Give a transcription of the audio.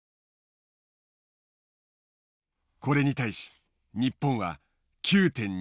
これに対し日本は９．２０。